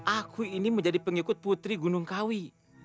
aku ini menjadi pengikut putri gunungkawi